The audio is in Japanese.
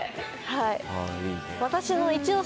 はい。